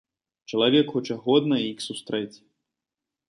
Чалавек хоча годна іх сустрэць.